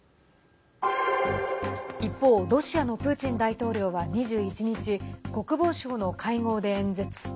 一方、ロシアのプーチン大統領は２１日国防省の会合で演説。